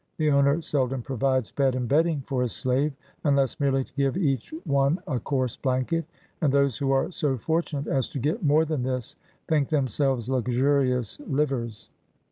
The owner seldom provides bed and bedding for his slave, unless merely to give each one a coarse blanket ; and those who are so fortunate as to get more than this, think themselves luxurious livers.